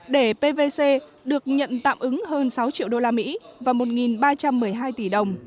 để pvc được nhận tạm ứng hơn sáu triệu đô la mỹ